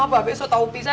bapaknya sudah tahu pisah